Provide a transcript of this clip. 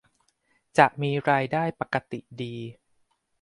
จะมีรายได้ปกติดี